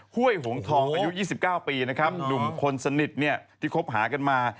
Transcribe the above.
ห้วยหงทองอายุ๒๙ปีนะครับหนุ่มคนสนิทเนี่ยที่คบหากันมา